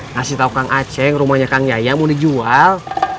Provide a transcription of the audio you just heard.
kasih tau kang ace rumahnya kang yaya mau dijual